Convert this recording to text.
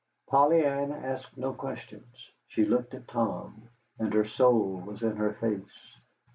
Polly Ann asked no questions. She looked at Tom, and her soul was in her face.